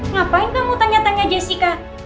ngapain kamu tanya tanya jessica